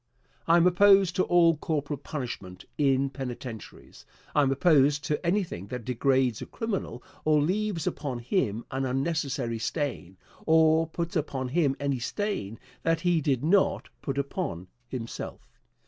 I am opposed to all corporal punishment in penitentiaries. I am opposed to anything that degrades a criminal or leaves upon him an unnecessary stain, or puts upon him any stain that he did not put upon himself.